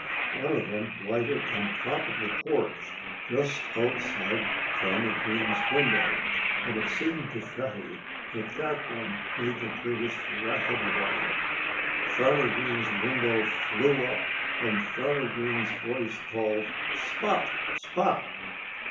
One of them lighted on top of the porch just outside Farmer Green's window and it seemed to Fatty that that one made the greatest racket of all. Farmer Green's window flew up; and Farmer Green's voice called "Spot! Spot!"